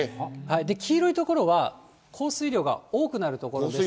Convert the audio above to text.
黄色い所は降水量が多くなる所です。